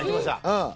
うん